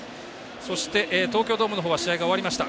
そして、東京ドームの方は試合が終わりました。